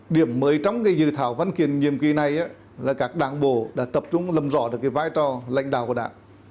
điểm mới trong dự thảo văn kiện nhiệm kỳ này là các đảng bộ đã tập trung lâm rõ được vai trò lãnh đạo của đảng